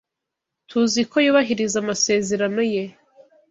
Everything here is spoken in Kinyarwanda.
TUZI ko yubahiriza amasezerano ye.